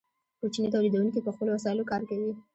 کوچني تولیدونکي په خپلو وسایلو کار کوي.